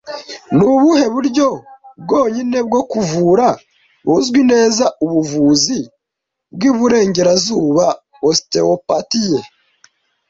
Nubuhe buryo bwonyine bwo kuvura buzwi neza ubuvuzi bwiburengerazuba Osteopathie